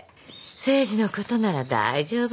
誠治のことなら大丈夫よ。